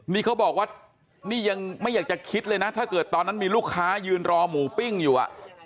นี่เขาบอกว่านี่ยังไม่อยากจะคิดเลยนะถ้าเกิดตอนนั้นมีลูกค้ายืนรอหมูปิ้งอยู่อ่ะ